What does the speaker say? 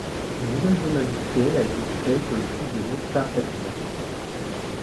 Une nouvelle zone industrielle a été créée sur le site de Mechta Fatima.